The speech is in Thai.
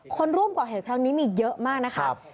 คนร่วมก่อเหตุครั้งนี้มีเยอะมากนะครับ